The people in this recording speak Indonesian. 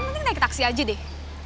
penting naik taksi aja deh